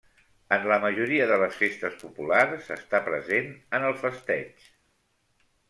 En la majoria de les festes populars està present en el festeig.